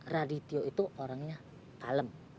radityo itu orangnya kalem